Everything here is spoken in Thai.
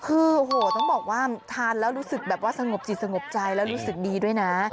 คือโอ้โหต้องบอกว่าทานแล้วรู้สึกแบบว่าสงบจิตสงบใจแล้วรู้สึกดีด้วยนะ